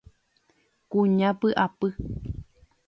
Kuña py'apy.